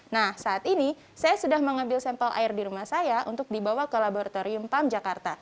nah saat ini saya sudah mengambil sampel air di rumah saya untuk dibawa ke laboratorium pam jakarta